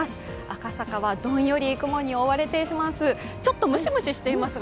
赤坂はどんより雲に覆われています。